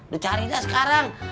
lo cari dah sekarang